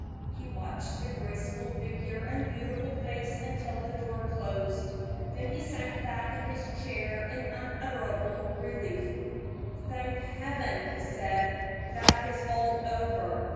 He watched the graceful figure and beautiful face until the door closed, then he sank back in his chair in unutterable relief. "Thank Heaven!" he said, "that is all over.